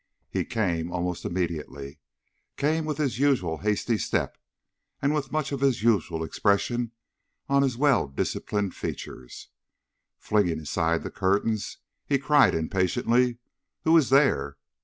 He came almost immediately came with his usual hasty step and with much of his usual expression on his well disciplined features. Flinging aside the curtains, he cried impatiently: "Who is there?"